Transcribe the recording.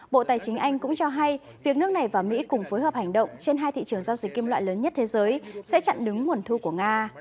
bộ tài chính anh cũng cho hay việc nước này và mỹ cùng phối hợp hành động trên hai thị trường giao dịch kim loại lớn nhất thế giới sẽ chặn đứng nguồn thu của nga